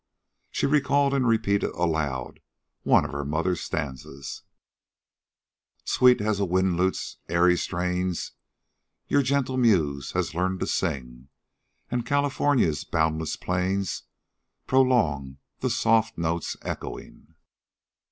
She recalled and repeated aloud one of her mother's stanzas: "'Sweet as a wind lute's airy strains Your gentle muse has learned to sing And California's boundless plains Prolong the soft notes echoing.'"